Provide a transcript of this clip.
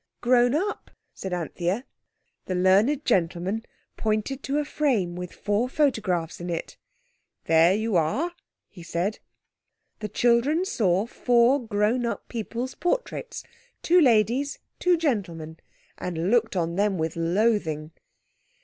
"Grown up?" said Anthea. The learned gentleman pointed to a frame with four photographs in it. "There you are," he said. The children saw four grown up people's portraits—two ladies, two gentlemen—and looked on them with loathing.